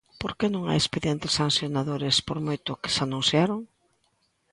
¿Por que non hai expedientes sancionadores, por moito que se anunciaron?